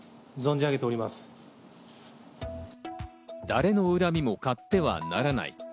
誰の恨みもかってはならない。